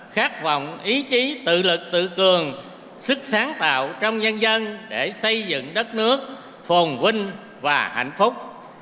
khát vọng ý chí tự lực tự cường sức sáng tạo trong nhân dân để xây dựng đất nước phồn vinh và hạnh phúc